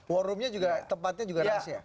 war roomnya juga tempatnya juga rahasia